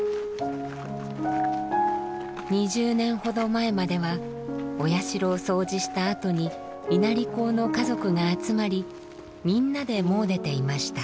２０年ほど前まではお社を掃除したあとに稲荷講の家族が集まりみんなで詣でていました。